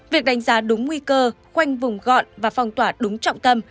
việc đánh giá đúng nguy cơ khoanh vùng gọn và phong tỏa đúng trọng tâm